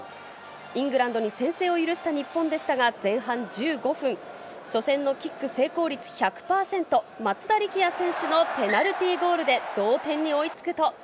イングランドに先制を許した日本でしたが、前半１５分、初戦のキック成功率１００％、松田力也選手のペナルティゴールで同点に追いつくと。